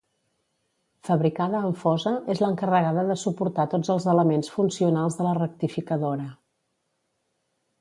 Fabricada en fosa és l'encarregada de suportar tots els elements funcionals de la rectificadora.